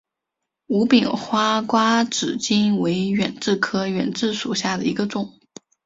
无柄花瓜子金为远志科远志属下的一个种。